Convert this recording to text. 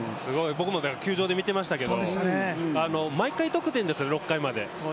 僕も球場で見てましたけど、毎回得点ですよ、６回まで。